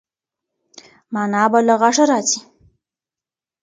مانا به له غږه راځي.